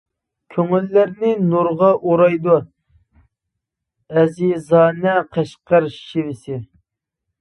كۆڭۈللەرنى نۇرغا ئورايدۇ ئەزىزانە قەشقەر شېۋىسى.